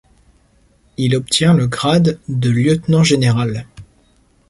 Il obtient le grade de lieutenant général.